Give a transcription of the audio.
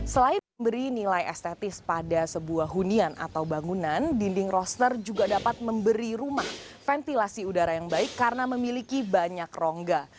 selain memberi nilai estetis pada sebuah hunian atau bangunan dinding roster juga dapat memberi rumah ventilasi udara yang baik karena memiliki banyak rongga